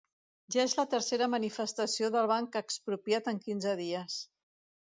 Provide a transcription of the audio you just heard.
Ja és la tercera manifestació del Banc Expropiat en quinze dies